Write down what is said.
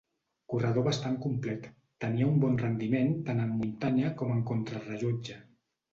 Corredor bastant complet, tenia un bon rendiment tant en muntanya com en contrarellotge.